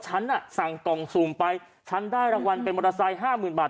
ฉันสั่งกองซูมไปฉันได้รางวัลเป็นมอเตอร์ไซค์๕๐๐๐๐บาท